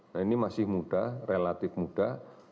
nah ini masih muda relatif muda